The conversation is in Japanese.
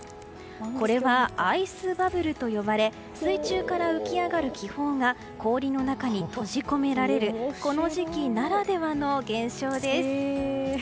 これはアイスバブルと呼ばれ水中から浮き上がる気泡が氷の中に閉じ込められるこの時期ならではの現象です。